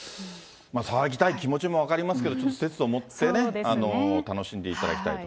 騒ぎたい気持ちも分かりますけど、ちょっと節度を持ってね、楽しんでいただきたいと。